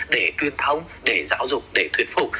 để truyền thông để giáo dục để thuyết phục